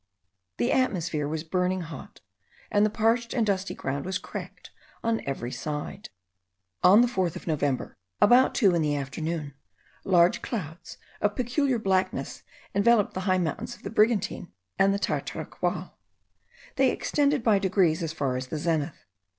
The atmosphere was burning hot, and the parched and dusty ground was cracked on every side. On the 4th of November, about two in the afternoon, large clouds of peculiar blackness enveloped the high mountains of the Brigantine and the Tataraqual. They extended by degrees as far as the zenith.